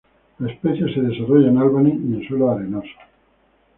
La especie se desarrolla en Albany y en suelos arenosos.